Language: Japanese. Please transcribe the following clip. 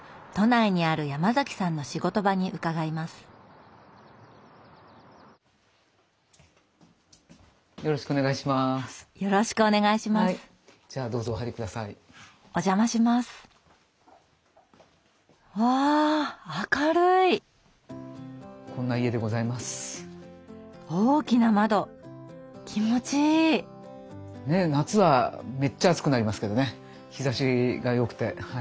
ねっ夏はめっちゃ暑くなりますけどね日ざしがよくて。